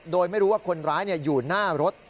โดยไม่รู้ว่าคนร้ายอยู่หน้ารถ